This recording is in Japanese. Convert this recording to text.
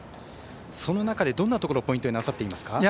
その中でどんなところをポイントになさっていますか？